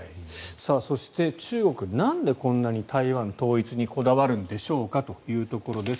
そして、中国なんでこんなに台湾統一にこだわるんでしょうかというところです。